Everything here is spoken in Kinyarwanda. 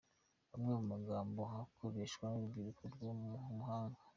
Amwe mu magambo akoreshwa n’urubyiruko rwo ku muhanda